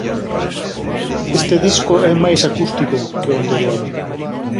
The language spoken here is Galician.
Este disco é máis acústico co anterior.